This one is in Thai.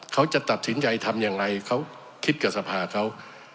เขาจะตัดสินใจทำอย่างไรเขาคิดกับสภาเขา